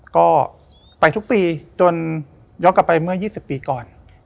ก็ไปทุกปีจนย้อนกลับไปเมื่อ๒๐ปีก่อน